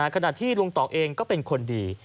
ขณะที่ลุงต่อเองก็เป็นคนดี